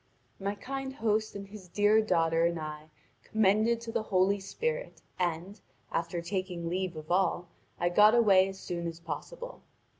My kind host and his dear daughter I commended to the Holy Spirit, and, after taking leave of all, I got away as soon as possible.